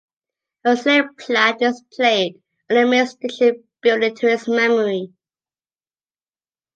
A slate plaque is displayed on the main station building to his memory.